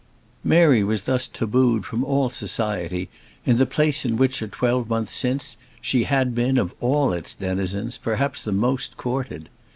Mary was thus tabooed from all society in the place in which a twelvemonth since she had been, of all its denizens, perhaps the most courted.